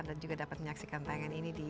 anda juga dapat menyaksikan tayangan ini di